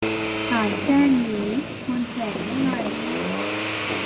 การแจ้งนี่ควรแจ้งยังไง